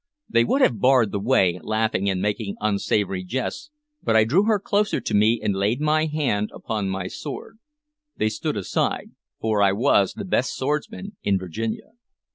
They would have barred the way, laughing and making unsavory jests, but I drew her closer to me and laid my hand upon my sword. They stood aside, for I was the best swordsman in Virginia.